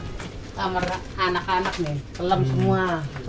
ini amaranak anak nih kelap semua tuh